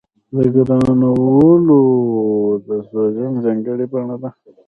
د ګرانولوما د سوزش ځانګړې بڼه ده.